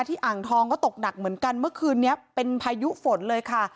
อ่างทองก็ตกหนักเหมือนกันเมื่อคืนนี้เป็นพายุฝนเลยค่ะ